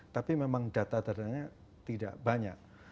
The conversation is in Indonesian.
tapi memang data datanya tidak banyak